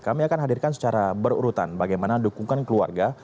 kami akan hadirkan secara berurutan bagaimana dukungan keluarga